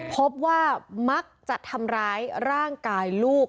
พบว่ามักจะทำร้ายร่างกายลูก